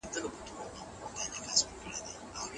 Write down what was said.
ولې فایبر نه خوري؟